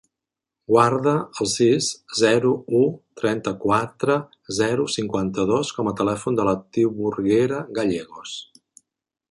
Guarda el sis, zero, u, trenta-quatre, zero, cinquanta-dos com a telèfon de la Timburguera Gallegos.